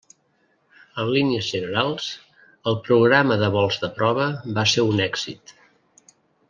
En línies generals, el programa de vols de prova va ser un èxit.